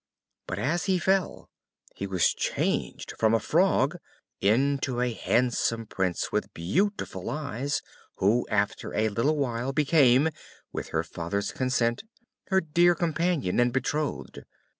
But as he fell he was changed from a frog into a handsome Prince with beautiful eyes, who, after a little while became, with her father's consent, her dear companion and betrothed.